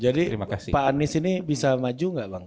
jadi pak anies ini bisa maju nggak bang